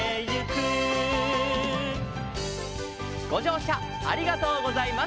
「ごじょうしゃありがとうございます」